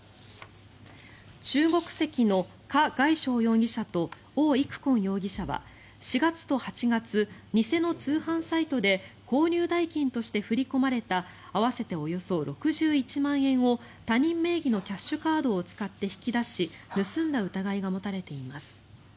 中国籍のカ・ガイショウ容疑者とオウ・イクコン容疑者は４月と８月偽の通販サイトで購入代金として振り込まれた合わせておよそ６１万円を他人名義のキャッシュカードを使って引き出し盗んだ疑いが持たれています。